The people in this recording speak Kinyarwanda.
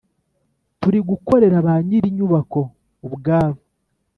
turigukorera ba nyir inyubako ubwabo